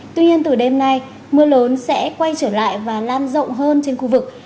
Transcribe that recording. tuy nhiên từ đêm nay mưa lớn sẽ quay trở lại và lan rộng hơn trên khu vực